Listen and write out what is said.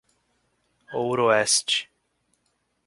Ouroeste